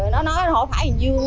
rồi nó nói hỏi phải anh dương không